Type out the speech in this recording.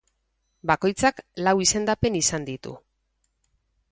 Bakoitzak lau izendapen izan ditu.